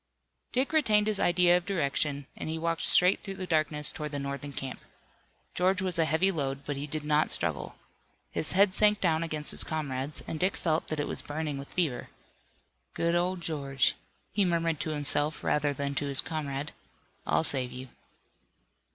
Dick retained his idea of direction, and he walked straight through the darkness toward the Northern camp. George was a heavy load, but he did not struggle. His head sank down against his comrade's and Dick felt that it was burning with fever. "Good old George," he murmured to himself rather than to his comrade, "I'll save you."